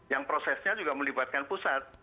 yang prosesnya juga melibatkan pusat